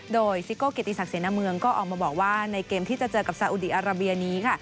โดยซิโก้เกียรติศักดิเสนอเมืองก็ออกมาบอกว่าในเกมที่จะเจอกับซาอุดีอาราเบียนี้ค่ะ